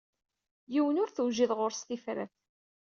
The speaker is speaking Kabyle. Yiwen ur tewjid ɣur-s tifrat.